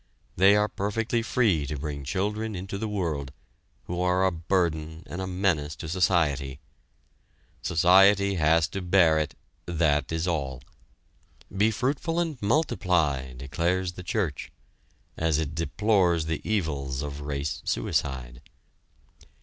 They are perfectly free to bring children into the world, who are a burden and a menace to society. Society has to bear it that is all! "Be fruitful and multiply!" declares the church, as it deplores the evils of race suicide.